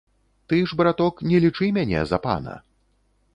Ты ж, браток, не лічы мяне за пана.